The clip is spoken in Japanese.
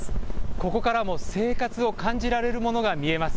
ここからも生活を感じられるものが見えます。